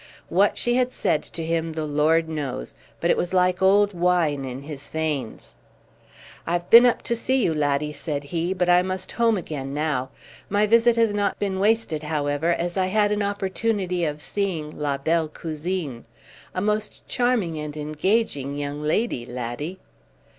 What she had said to him the Lord knows, but it was like old wine in his veins. "I've been up to see you, laddie," said he, "but I must home again now. My visit has not been wasted, however, as I had an opportunity of seeing la belle cousine. A most charming and engaging young lady, laddie."